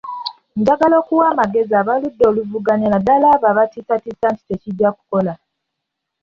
Njagala okuwa amagezi ab'oludda oluvuganya naddala abo abatiisatiisa nti tekijja kukola.